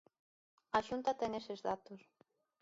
A Xunta ten eses datos.